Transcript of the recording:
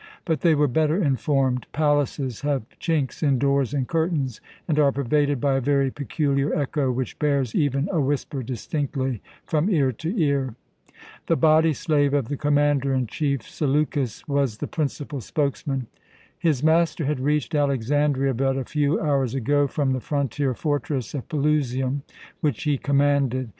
But they were better informed: palaces have chinks in doors and curtains, and are pervaded by a very peculiar echo which bears even a whisper distinctly from ear to ear. The body slave of the commander in chief Seleukus was the principal spokesman. His master had reached Alexandria but a few hours ago from the frontier fortress of Pelusium, which he commanded.